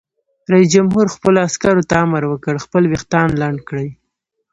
رئیس جمهور خپلو عسکرو ته امر وکړ؛ خپل ویښتان لنډ کړئ!